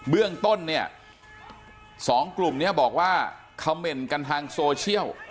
เบื้องต้นเนี่ยสองกลุ่มเนี่ยบอกว่าเขาเหม่นกันทางโซเชียล